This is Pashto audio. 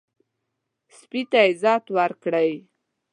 سپي ته عزت ورکړئ.